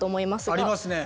ありますね。